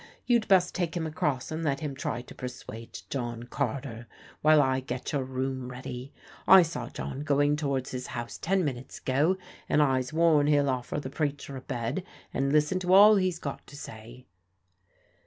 You'd best take him across and let him try to persuade John Carter, while I get your room ready. I saw John going towards his house ten minutes ago, and I'se warn he'll offer the preacher a bed and listen to all he's got to say."